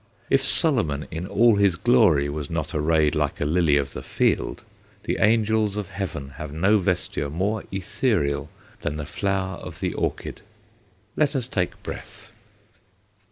If Solomon in all his glory was not arrayed like a lily of the field, the angels of heaven have no vesture more ethereal than the flower of the orchid. Let us take breath.